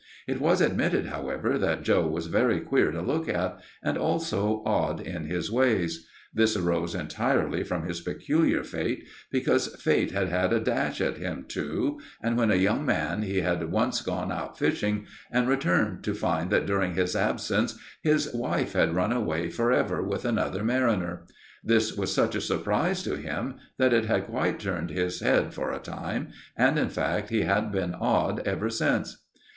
It was admitted, however, that Joe was very queer to look at, and also odd in his ways. This arose entirely from his peculiar Fate, because Fate had had a dash at him too, and when a young man, he had once gone out fishing, and returned to find that during his absence his wife had run away for ever with another mariner. This was such a surprise to him that it had quite turned his head for a time, and, in fact, he had been odd ever since.